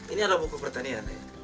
ini adalah buku pertanian